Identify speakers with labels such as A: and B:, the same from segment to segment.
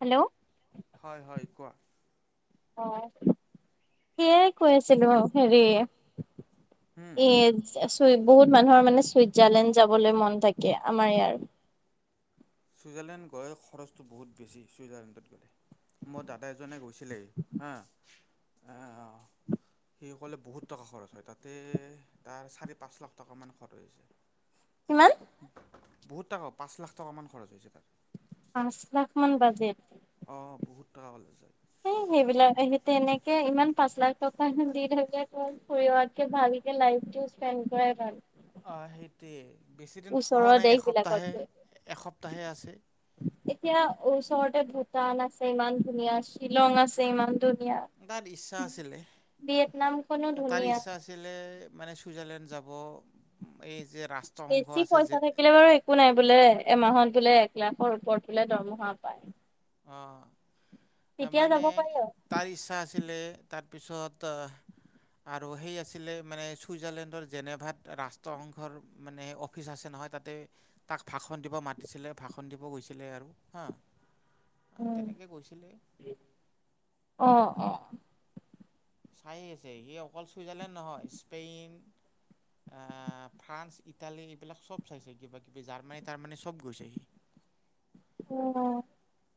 A: Hello,
B: হয় হয় কোৱা?
A: অ, সেইয়াই কৈ আছিলো হেৰি। এ,
B: হুম
A: চ বহুত মানুহৰ মানে চুইজাৰলেণ্ড যাবলৈ মন থাকে আমাৰ ইয়াৰ।
B: চুইজাৰলেণ্ড গৈ খৰচটো বহুত বেছি, চুইজাৰলেণ্ডত গ'লে। মোৰ দাদা এজনে গৈছিলেই হা আ সেইসকলে বহুত টকা খৰচ হয় তাতে তাৰ চাৰি পাঁচ লাখ টাকামান খৰচ হৈছে।
A: কিমান?
B: বহুত তাক পাঁচ লাখ টকামান খৰচ হৈছে তাৰ।
A: পাঁচ লাখ মান বাজেট।
B: অ' বহুত টকা পালে যায়।
A: এ সেইবিলাক হে তেনেকে ইমান পাঁচ লাখ টকা হে দি থাকে কয় ফুৰি অহাতকে ভালকে লাইফটো স্পেণ্ড কৰাই ভাল
B: অ, সেইটোৱেই। বেছিদিন থকাও
A: ওচৰৰ
B: নাই
A: দেশ বিলাকত গৈ
B: এসপ্তাহে-এসপ্তাহে আছে।
A: এতিয়া ওচৰতে ভূটান আছে ইমান ধুনীয়া শ্বিলং আছে ইমান ধুন
B: বা দিচ্ছা আছিলে
A: ভিয়েটনামখনো
B: তাৰ
A: ধুনীয়া
B: ইচ্ছা আছিলে মানে চুইজাৰলেণ্ড যাব এই যে ৰাষ্ট্ৰসংঘ
A: বেছি
B: আছে যে
A: পইচা থাকিলে বাৰু একো নাই বোলে এমাহত বোলে এক লাখৰ ওপৰত বোলে দৰমহা পায়।
B: অ, তাৰ
A: তেতিয়া
B: মানে
A: যাব পাৰি আৰু
B: তাৰ ইচ্ছা আছিলে তাৰপিছত অহ, আৰু সেই আছিলে মানে চুইজাৰলেণ্ডৰ জেনেভাত ৰাষ্ট্ৰসংঘৰ মানে অফিচ আছে ন নহয় তাতে তাক ভাষণ দিব মাতিছিলে ভাষণ দিব গৈছিলে আৰু হা।
A: উম,
B: তেনেকৈ গৈছিলে
A: অ', অ',।
B: চাই আছে সি অকল চুইজাৰলেণ্ড নহয় স্পেইন আহ, ফ্ৰান্স, ইটালী এইবিলাক চব চাইছে কিবা-কিবি জাৰ্মানী-টাৰ্মানী চব গৈছে সি।
A: [unintelligible]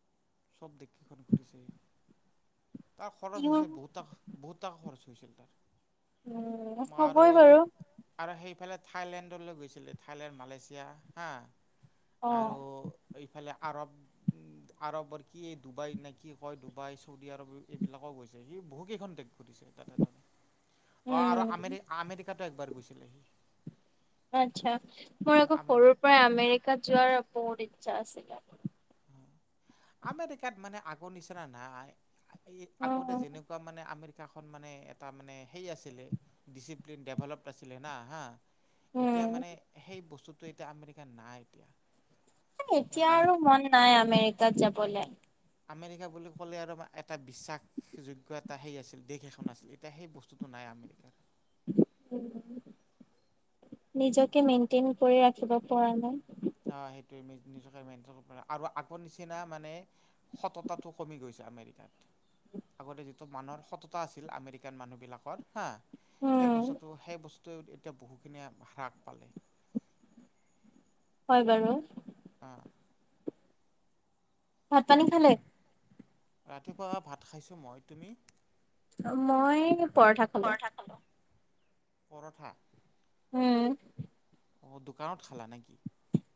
B: চব দেশ কেইখন ঘুৰিছে তাৰ খৰচ
A: ইউ
B: হৈছে বহুতা-বহুত তাকা খৰচ হৈ হৈছিল তাৰ।
A: উম, হবই
B: আৰু
A: বাৰু।
B: আৰু সেইফালে থাইলেণ্ডলৈ গৈছিলে। থাইলেণ্ড মালয়েছিয়া হা
A: অ',
B: আৰু এইফালে আৰব আৰবৰ কি এই ডুবাই নে কি কয় ডুবাই, চৌদি আৰৱ এইবিলাকো গৈছে, সি বহুকেইখন দেশ ঘুৰিছে তাতে জানে অ' আৰু
A: উম।
B: আমেৰি-আমেৰিকাতো একবাৰ গৈছিলে সি।
A: আচ্ছা মোৰ আকৌ
B: আমেৰি
A: সৰুৰ পৰা আমেৰিকাত যোৱাৰ বহুত ইচ্ছা আছিলে।
B: আমেৰিকাত মানে আগৰ নিচিনা নাই। এই আগতে
A: অ',
B: যেনেকুৱা মানে আমেৰি শাখন মানে এটা মানে হে আছিলে ডিচিপ্লিন ডেভেলপ্ড আছিলে না হা এতিয়া
A: উম,
B: মানে সেই বস্তুটো এতিয়া আমেৰিকাত নাই এতিয়া।
A: এতিয়া
B: মানে আমেৰিকা
A: আৰু মন নাই আমেৰিকাত যাবলে।
B: আমেৰিকা বুলি ক'লে আৰু আমাৰ এটা বিশ্বাসযোগ্য এটা সেই আছিল দেশ এখন আছিল এতিয়া সেই বস্তুটো নাই। আমেৰিকাৰ।
A: নিজকে মেইনটেইন কৰি ৰাখিব পৰা নাই।
B: অ' সেইটোয়েই আৰু আগৰ নিচিনা মানে সততাটো কমি গৈছে। আমেৰিকাত, আগতে যিটো মানুহৰ সততা আছিল, আমেৰিকান মানুহবিলাকৰ হা সেই
A: উম,
B: বস্তুটো, সেই বস এতিয়া বহুখিনিয়ে হ্ৰাস পালে।
A: হয় বাৰু।
B: আহ।
A: ভাত-পানী খালে?
B: ৰাতিপুৱা ভাত খাইছোঁ মই, তুমি?
A: মই পৰঠা খালো।
B: পৰঠা
A: উম।
B: অ দোকানত খালা নেকি?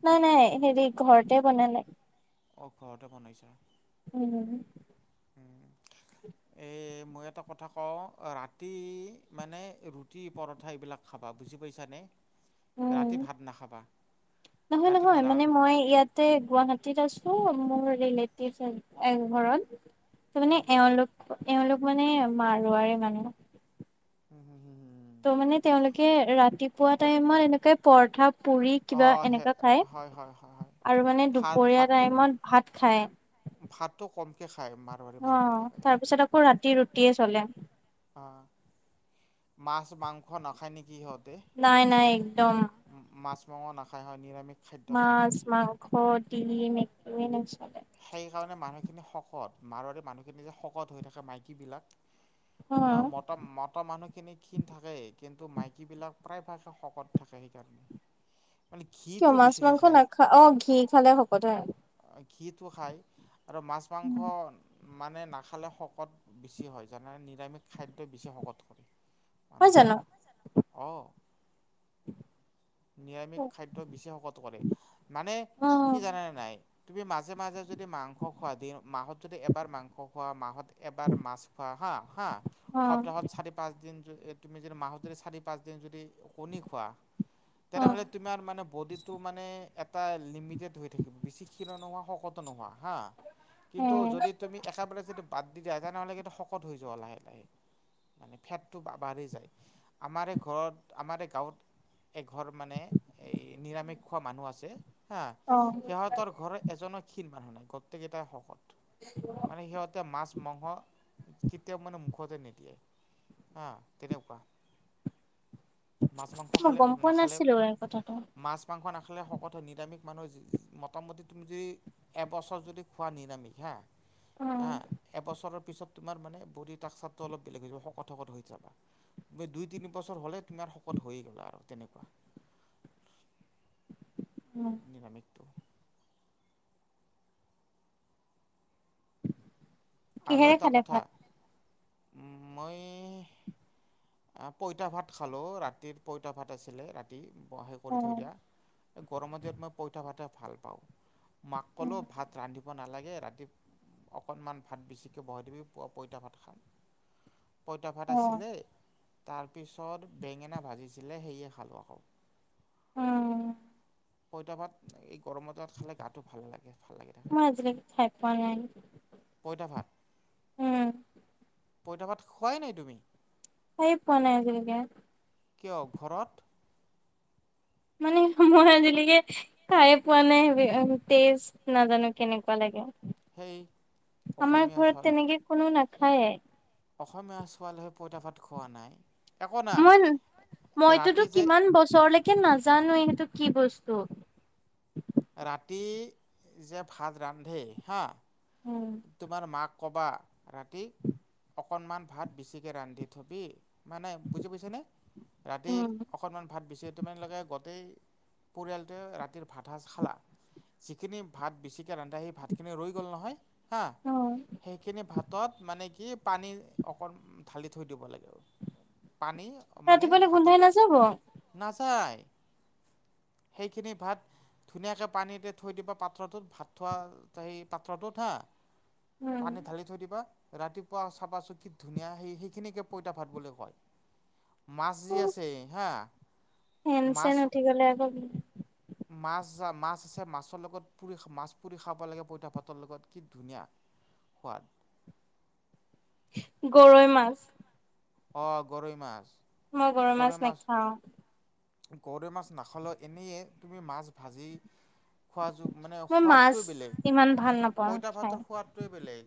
A: নাই, নাই, হেৰি ঘৰতে বনালে।
B: অ ঘৰতে বনাইছা।
A: উম,
B: এ মই এটা কথা কওঁ ৰাতি মানে ৰুটি, পৰঠা, এইবিলাক খাব অ, বুজি পাইছা নে?
A: উম, নহয়,
B: ৰাতি
A: নহয়,
B: ভাত আ
A: মানে মই ইয়াতে গুৱাহাটীত আছো মোৰ ৰিলেটিভ ঘৰত, ত' মানে
B: উম
A: এওঁলোক এওলোক মানে মাৰৰেী মানুহ।
B: উ, ম হু - হু হু
A: ত' মানে তেওঁলোকে ৰাতিপুৱা টাইমত এনেকুৱাই প
B: আহ স হয়, হয়, হয়, হয়,
A: আৰু মানে দুপৰীয়া
B: ভাতটো
A: টাইমত ভাত খায়
B: ভাতটো কম
A: অ, তাৰপিছত আকৌ ৰাতি ৰুটিয়ে চলে।
B: অ, মাছ মাংস নাখায় নেকি হত
A: নাই - নাই একদম
B: মাছ মাংস নাখায় হয় নিৰামিষ। খাদ্য খায়
A: মাছ,
B: সদায়
A: মাংস [unintelligible]
B: সেই কাৰণে মানুহখিনি শকত, মাৰৱাৰি মানুহখিনি যে শকত হৈ থাকে মাইকীবিলাক। অ মতা, মতা মানুহ খিখিনি থাকে কিন্তু মাইকী বিলাক প্ৰায় ভাগে শকত থাকে সেইকাৰণে মানে
A: কিয়
B: ঘিটো
A: মাছ
B: বেছিকে
A: মাংস
B: খায়।
A: নাখা অ, ঘি খালে শকত হয়।
B: ঘিটো খায় আৰু মাছ মাংস মানে নাখালে শকত বেছি হয় জানা নে, নিৰামিষ খাদ্যই বেছি শকত কৰে।
A: নহয়
B: মানহক,
A: জানো
B: আহ। নিৰামিষ খাদ্য বেছি সকট কৰে মানে
A: অ
B: কি জানে নাই তুমি মাজে-মাজে যদি মাংস খোৱা, দিন মাহত যদি এবাৰ মাংস খোৱা, মাহত এবাৰ মাছ খোৱা হা, হা
A: অ
B: সপ্তাহত চাৰি-পাঁচ দিন তুমি যদি মাহ যদি চাৰি-পাঁচ দিন যদি কণী খোৱা
A: অ',
B: তেনেহ'লে তোমাৰ মানে বডিটো মানে এটা লিমিটেড হৈ থাকিব বেছি ক্ষীণ নোহোৱা শকত নোহোৱা হা।
A: এ
B: কিন্তু যদি তুমি একেবাৰে যদি বাদ দি দিয়া তেনেহ'লে কিন্তু শকত হৈ যোৱা লাহে-লাহে। মানে ফেটটো বাঢ়ি যায়, আমাৰে ঘৰত, আমাৰে গাঁৱত ঘৰ মানে এই নিৰামিষ খোৱা মানুহ আছে। হা,
A: অ',
B: সিহঁতৰ ঘৰৰ এজনো ক্ষীণ মানুহ নাই, গোটেইকেইটাই সকট মানে সিহঁতে মাছ মাংস কেতিয়াও মানে মুখতে নিদিয়ে। হ তনেকুৱা।
A: মই গম পোৱা নাছিলো এই কথাটো।
B: আখন আখিলে শকত হয়, নিৰামিষ মানুহ মোটামুটি তুমি যদি এবছৰ যদি খোৱা নিৰামিষ হা
A: অ',
B: আহ এবছৰৰ তোমাৰ মানে বডী স্টাকচাৰ টো অলপ বেলেগ হৈ শকত- শকত হৈ যাবা দুই তিনি বছৰ হলে তোমাৰ শকত হৈ গ'লা আৰু তেনেকুৱা। নিলাম একটো। আৰু
A: কিহেৰে
B: এটা
A: খালে
B: কথা,
A: ভাত?
B: উ মই আহ পইতা ভাত খালো ৰাতিৰ পইতা ভাত আছিলে ৰাতি বহে কৰি থৈ
A: অ',
B: দিয়া এই গৰমৰ দিনত মই পইতা ভাতে ভাল পাওঁ। মাক ক'লো ভাত ৰান্ধিব নালাগে ৰাতি অকনমান ভাত বেছিকৈ বহাই দিবি প পইতা ভাত খাম পইতা ভাত
A: অ',
B: আছিলে। তাৰ পিছত বেঙেনা ভাজিছিলে সেয়ে খালো আকৌ
A: অ
B: পইতা ভাত গৰমত খালে গাটো ভাল লাগে ভাল লাগি থাকে
A: মই আজিলৈকে খাই পোৱা নাই।
B: পইতা ভাত।
A: উম,
B: পইতা ভাত খোৱাই নাই তুমি?
A: খাইয়ে পোৱা নাই আজিলেকে।
B: কিয় ঘৰত
A: মানে মই আজিলৈকে খাই পোৱা নাই তেষ্ট নাজানো কেনেকুৱা লাগে।
B: সেই
A: আমাৰ
B: অসমীয়া
A: ঘৰত
B: ছোৱালী
A: তেনেকে কোনো নাখায়ে।
B: অসমীয়া ছোৱালীহৈ পইতা ভাত খোৱা নাই। একো নাই
A: মই মইতোতো
B: ৰাতি যে
A: কিমান বছৰলৈ কে নাজানোৱে এইটো কি বস্তু।
B: ৰাতি যে ভাত ৰান্ধে হা
A: উম,
B: তোমাৰ মাক ক'বা ৰাতি অকণমান ভাত বেছিকৈ ৰান্ধি থ'বি মানে বুজি পাইছানে ৰাতি
A: উম,
B: অকণমান ভাত বেচি তোমালকে গোটেই পৰিয়ালটোৱে ৰাতিৰ ভাত সাঁজ খালা? যিখিনি ভাত বেছিকে ৰান্ধা সেই ভাতখিনি ৰৈ গ'ল নহয়। হা
A: অ',
B: সেইখিনি ভাতত মানে কি পানী অকণ ঢালি থৈ দিব লাগে আৰু। পানী মানে
A: ৰাতিপুৱালে
B: ভাত
A: গোন্ধাই নাযাব?
B: না
A: [inaudible]
B: সেইখিনি ভাত ধুনীয়াকে পানীতে থৈ দিবা পাত্ৰটোত ভাত থোৱা সেই পাত্ৰটোত হা পানীত ঢালি থৈ দিবা। ৰাতিপুৱা চাবাচোন কি ধুনীয়া সেই সেইখিনিকে পইতা ভাত বুলি কয়। মাছজি আছে হা
A: ফেন চেন
B: মাছ
A: উঠি গলে আকৌ কি
B: মাছ মাছ আছে মাছৰ লগত পুৰি মাছ পুৰি খাব লাগে পইতা পাতৰ লগত কি ধুনীয়া সোৱাদ।
A: গৰৈ মাছ।
B: অ গৰৈ মাছ।
A: মই গৰৈ মাছ নাখাও।
B: গৰৈ মাছ নাখালেও এনেইে তুমি মাছ ভাজি। খোৱা যু মানে
A: মই মাছ
B: সোৱাদটোৱে বেলেগ
A: ইমান ভাল নাপাওঁ
B: পইতা
A: খাই
B: ভাতৰ সোৱাদটোৱে বেলেগ,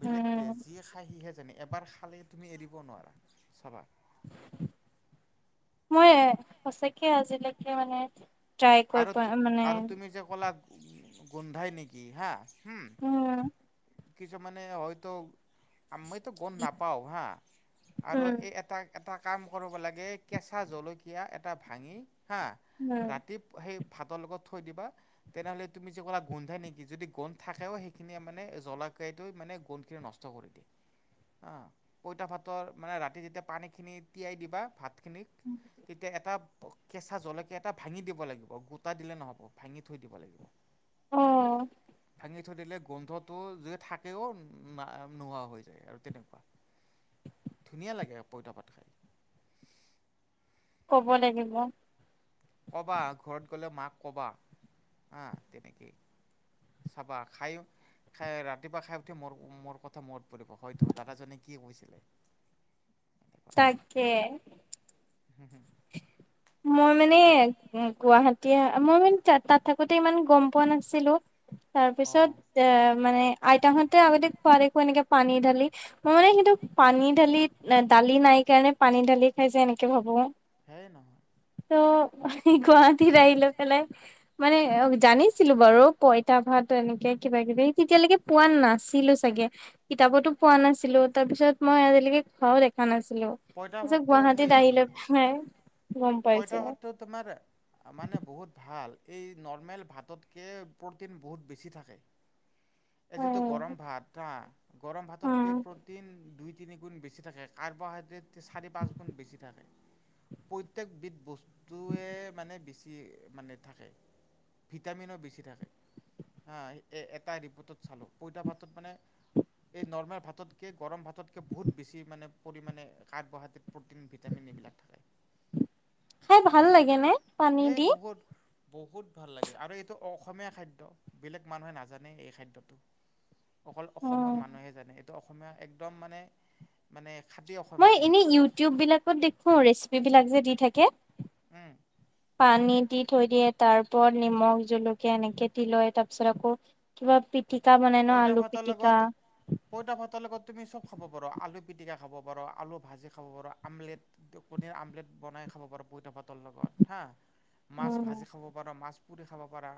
B: বেলেগ
A: উম
B: টেষ্ট যিয়ে খাই সিহে এবাৰ খালেই তুমি এৰিব নোৱাৰা চাবা।
A: মই সচাকে আজিলৈকে মানে ট্ৰাই কৰি পোৱা মানে
B: উ গোন্ধাই নেকি হা। হুম
A: উম।
B: কিছুমানে হয়তো আমিটো গম নাপাও হা আৰু
A: উম
B: এই এটা এটা কাম কৰিব লাগে কেঁচা জলকীয়া এটা ভাঙি হা
A: উম
B: ৰাতি সেই ভাতৰ লগত থই দিবা, তেনেহলে তুমি যে কলা গোন্ধেই নেকি, যদি গোন্ধ থাকেও সেইখিনি মানে য লাকে এইটো মানে গোন্ধখিনি নষ্ট কৰি দিয়ে। অ, পইতা ভাতৰ মানে ৰাতি যেতিয়া পানীখিনি তিয়াই দিবা ভাত খিনিক তেতিয়া এটা, কেঁচা জলকীয়া এটা ভাঙি দিব লাগিব। গোটা দিলে নহ'ব, ভাঙি থৈ দিব লাগিব।
A: অ'।
B: ঙি থৈ দিলে গোন্ধটো যদি থাকেও, নোহোৱা হৈ যায় আৰু তেনেকুৱা। ধুনীয়া লাগে
A: [inaudible] ব লাগিব
B: কবা, ঘৰত গলে মাক কবা হা, তেনেকেই চাবা খাইও খাই ৰাতিপুৱা খাই উঠি মোৰ, মোৰ কথা মনত পৰিব, হয়তো দাদাজনে কি কৈছিলে।
A: তাকে।
B: হম, হম।
A: মই মানে গুৱাহা এতিয়া মই মানে ত তাত থাকোতে ইমান গম পোৱা নাছিলো,
B: অঁ
A: তাৰপিছত আ মানে আইতাহতে আগতে খোৱা দেখো এনেকে পানী ঢালি, মই মানে কিন্তু পানী ঢালি দালি নাই সেইকাৰণে পানী ঢালি খাই যে এনেকে ভাবো
B: সেই নহয়।
A: অ' গুৱাহাটীত আহি লৈ পেলাই, মানে অ জানিছিলো বাৰু পইতা ভাত এনেকে কিবা-কিবি তেতিয়ালৈকে পোৱা নাছিলো চাগে, কিতাপতো পোৱা নাছিলো, তাৰ পিছত মই আজিলৈকে খোৱাও দেখা নাছিলো,
B: পইতা
A: তাৰপিছত
B: ভাতটো
A: গুৱাহাটীত আহিলৈ পেলাই গম পাইছো
B: পঁইতা ভাতটো তোমাৰ মানে বহুত ভাল এই নৰ্মেল ভাততকে প্ৰ'টিন বহুত বেছি থাকে।
A: অ
B: এই যিটো গৰম ভাত হা, গৰম ভাততকে
A: উম
B: প্ৰটিন দুই তিনিগুণ বেছি থাকে, কাৰ্বহাইড্ৰেড চাৰি-পাঁচ গুণ বেছি থাকে, প প্ৰত্যেকবিধ বস্তুৱে মানে বেছি মানে থাকে ভিটামিনো বেছি থাকে। হা এ এটা ৰিপৰ্টত চালো, পইতা ভাতত মানে এই নৰ্মেল ভাততকে গৰম ভাততকে বহুত বেছি মানে পৰিমণে কাৰ্বহাইড্ৰেড, প্ৰটিন, ভিটামিন এইবিলাক থাকে।
A: খাই ভাল লাগে নে? পানী
B: এই
A: দি
B: বহুত বহুত ভাল লাগে আৰু এইটো অসমীয়া খাদ্য, বেলেগ মানুহে নাজানে এই খাদ্যটো। অকল অসমৰ
A: উম
B: মানুহে জানে এইটো অসমীয়া একদম মানে মানে খাটি অসমীয়া
A: মই এনে
B: খাদ্য
A: ইউটিউববিলাকত দেখো ৰেচিপি বিলাগ যে দি থাকে
B: উম।
A: পানী দি থৈ দিয়ে, তাৰ ওপৰত নিমখ, জলকীয়া, এনেকে দি লয়, তাৰ পিছত আকৌ কিবা পিটিকা বনাই ন
B: পইতা
A: আলু
B: ভাতৰ
A: পিটিকা
B: লগত পইতা ভাতৰ লগত তুমি চব খাব পাৰোঁ, আলু পিটিকা খাব পাৰোঁ, আলু ভাজি খাব পাৰোঁ, আমলেট, কণীৰ আমলেট বনাই খাব পাৰ পইতা ভাতৰ লগত হা মাছ
A: উম
B: ভাজি খাব পাৰ, মাছ পুৰি খাব পাৰা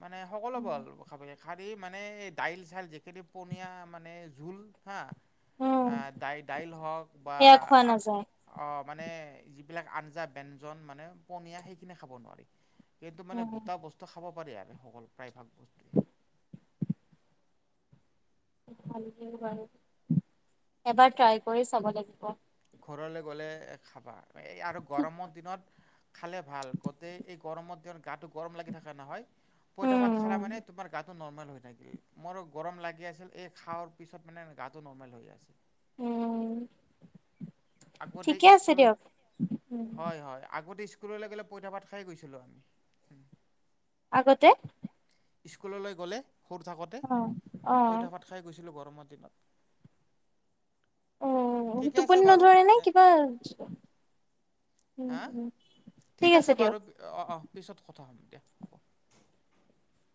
B: মানে সকলোবোৰ খাব খাৰী মানে এই দাইল-চাইল যিখিনি পনীয়া মানে জোল হা
A: উম
B: আহ দাই-দাইল হওক বা
A: সেয়া খোৱা নাযায়
B: মানে যিবিলাক আঞ্জা, ব্যঞ্জন মানে পনীয়া সেইখিনি খাব নোৱাৰি। কিন্তু মানে
A: উম
B: গোটা বস্তু খাব পাৰি আৰু সকলো প্ৰায় ভাগ
A: এবাৰ ট্ৰাই কৰি চাব লাগিব।
B: ঘৰলৈ গ'লে খাবা। এ আৰু গৰমৰ দিনত খালে ভাল। গটেই এই গৰমত তেওঁ গাটো গৰম লাগি থাকে নহয়। পইতা ভাত খালা
A: উম
B: মানে তোমাৰ গাটো নৰ্মেল হৈ থাকি। মোৰো গৰম লাগি আছিল এই খাৱৰ পিছত মানে গা গাতো নৰ্মেল হৈ আছে।
A: উ।
B: আগতে স্কুল,
A: উম
B: হয়, হয় আগতে ইচ স্কুললৈ গ'লে পইতা পাত খায়ে গৈছিলোঁ আমি।
A: আগতে‌
B: স্কুললৈ গ'লে সৰু থাকোঁতে
A: অ অ
B: পইঁতা ভাত খায়ে গৈছিলোঁ গৰমত। [inaudible]
A: অও টোপনি নধৰে নে
B: দে
A: কিবা উম
B: হা?
A: উম
B: ঠিক আছে বাৰু অ', অ' পিছত কথা হ'ম। [inaudible]